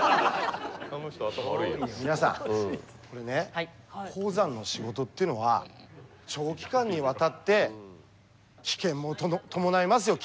皆さんこれね鉱山の仕事っていうのは長期間にわたって危険も伴いますよ